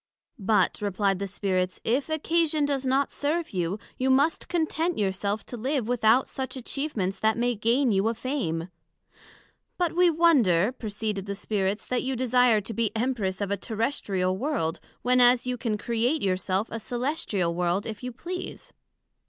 But, replied the Spirits, if occasion does not serve you, you must content your self to live without such atchievements that may gain you a Fame: But we wonder, proceeded the Spirits, that you desire to be Empress of a Terrestrial World, when as you can create your self a Cœlestial World if you please.